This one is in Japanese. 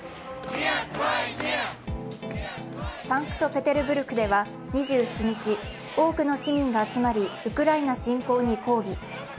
サンクトペテルブルクでは２７日、多くの市民が集まり、ウクライナ侵攻に抗議。